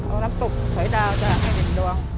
เอาน้ำตกหอยดาวจะให้เห็นดวง